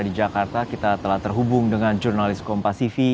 di jakarta kita telah terhubung dengan jurnalis kompasifi